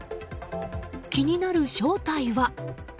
気になる正体は。